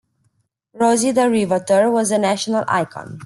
Rosie the Riveter was a national icon.